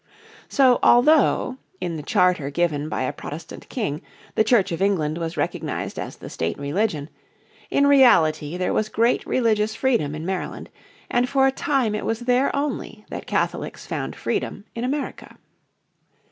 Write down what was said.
So although, in the charter given by a Protestant King the Church of England was recognised as the state religion, in reality there was great religious freedom in Maryland, and for a time it was there only that Catholics found freedom in America.